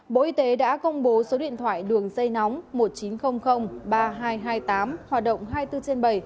bộ y tế đã công bố số điện thoại đường dây nóng một chín không không ba hai hai tám hoạt động hai mươi bốn trên bảy